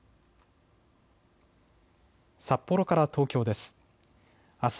札幌から東京です。